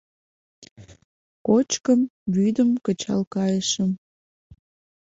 Кочкым, вӱдым кычал кайышым.